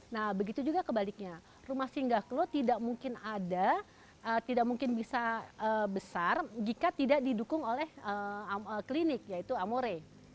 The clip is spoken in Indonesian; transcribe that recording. nah begitu juga kebaliknya rumah singgah klo tidak mungkin ada tidak mungkin bisa besar jika tidak didukung oleh klinik yaitu amore